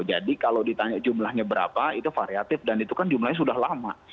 jadi kalau ditanya jumlahnya berapa itu variatif dan itu kan jumlahnya sudah lama